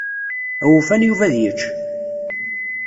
Awufan Yuba ad yečč.